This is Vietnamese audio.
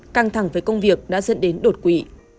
căng thẳng với công việc đã dẫn đến đột quỵ